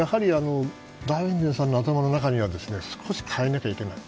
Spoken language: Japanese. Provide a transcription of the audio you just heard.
バイデンさんの頭の中には少し変えなきゃいけない。